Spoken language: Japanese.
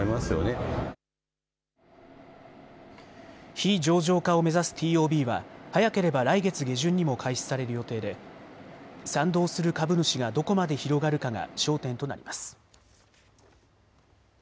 非上場化を目指すＴＯＢは早ければ来月下旬にも開始される予定で賛同する株主がどこまで広がるかが焦点となります。